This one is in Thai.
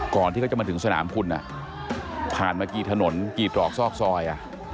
ที่เขาจะมาถึงสนามคุณผ่านมากี่ถนนกี่ตรอกซอกซอย